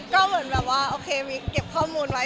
ก็เหมือนแบบว่าโอเคมีเก็บข้อมูลไว้